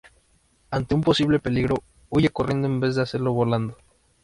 Ante un posible peligro, huye corriendo en vez de hacerlo volando.